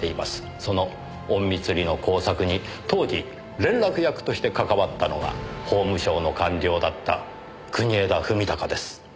その隠密裏の工作に当時連絡役としてかかわったのが法務省の官僚だった国枝史貴です。